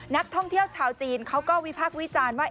นักท่องเที่ยวชาวจีนเขาก็วิพากษ์วิจารณ์ว่า